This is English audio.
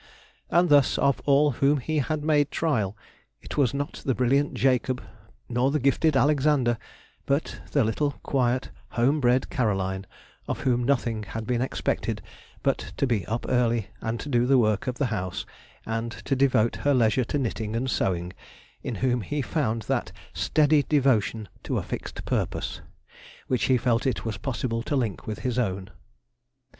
And thus, of all of whom he had made trial, it was not the brilliant Jacob, nor the gifted Alexander, but the little quiet, home bred Caroline, of whom nothing had been expected but to be up early and to do the work of the house, and to devote her leisure to knitting and sewing, in whom he found that steady devotion to a fixed purpose which he felt it was possible to link with his own.